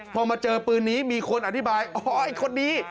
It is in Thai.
พอมาเจอปืนนี้มีคนอธิบายอ๋อไอ้คนนี้